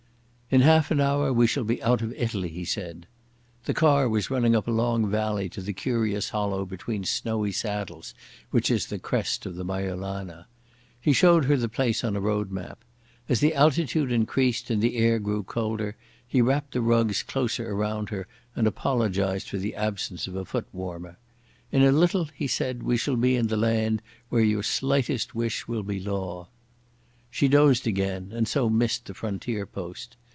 "In half an hour we shall be out of Italy," he said. The car was running up a long valley to the curious hollow between snowy saddles which is the crest of the Marjolana. He showed her the place on a road map. As the altitude increased and the air grew colder he wrapped the rugs closer around her and apologised for the absence of a foot warmer. "In a little," he said, "we shall be in the land where your slightest wish will be law." She dozed again and so missed the frontier post.